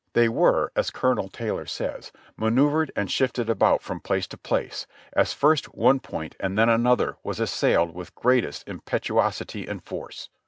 They were, as Colonel Taylor says, manoeuvred and shifted about from place to place, as first one point and then another was assailed with greatest impetuosity and force.